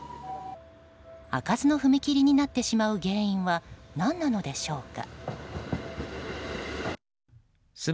開かずの踏切になってしまう原因は何なのでしょうか。